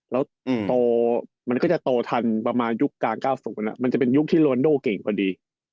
แล้วโตมันก็จะโตทันประมาณยุคกลางเก้าศูนย์อ่ะมันจะเป็นยุคที่โรนโดเก่งกว่าดี